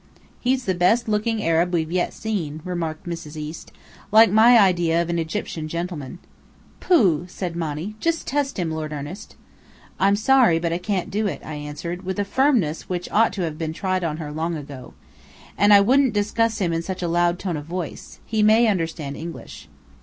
"He's the best looking Arab we've seen yet," remarked Mrs. East. "Like my idea of an Egyptian gentleman." "Pooh!" said Monny. "Just test him, Lord Ernest." "Sorry, but I can't do it," I answered, with a firmness which ought to have been tried on her long ago. "And I wouldn't discuss him in such a loud tone of voice. He may understand English."